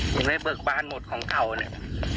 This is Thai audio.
ยังไม่เปลือกบ้านหมดของเขาเลย